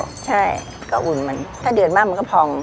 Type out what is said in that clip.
ใช่ก็อุ่นมันถ้าเดือดมากมันก็พอง